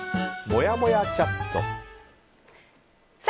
もやもやチャット。